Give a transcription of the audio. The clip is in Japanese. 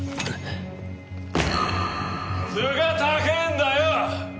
頭が高えんだよ！